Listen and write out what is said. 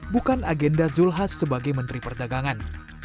bukan agenda zulhas sebagai menteri perdagangan